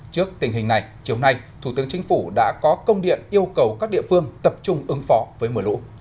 trước tình hình này chiều nay thủ tướng chính phủ đã có công điện yêu cầu các địa phương tập trung ứng phó với mưa lũ